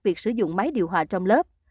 việc sử dụng máy điều hòa trong lớp